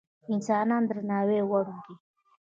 انسانان د درناوي وړ دي.